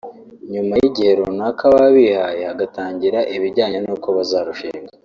nyuma y’igihe runaka baba bihaye hagatangira ibijyanye n’uko bazarushinga